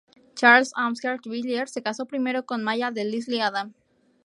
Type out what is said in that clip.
Charles Amherst Villiers se casó primero con Maya de Lisle Adam.